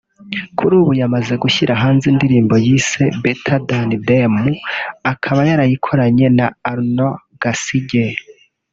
Kuri ubu yamaze gushyira hanze indirimbo yise ‘Better than them’ akaba yarayikoranye na Arnaud Gasige